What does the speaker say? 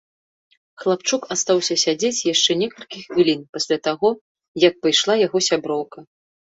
Хлапчук астаўся сядзець яшчэ некалькі хвілін пасля таго, як пайшла яго сяброўка.